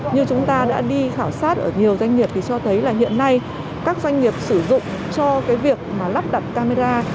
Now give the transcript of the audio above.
như chúng ta đã đi khảo sát ở nhiều doanh nghiệp thì cho thấy là hiện nay các doanh nghiệp sử dụng cho cái việc mà lắp đặt camera